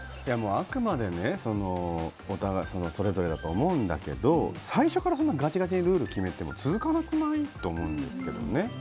あくまでそれぞれだと思うんだけど最初からガチガチにルールを決めても続かなくない？と思うんですけどね。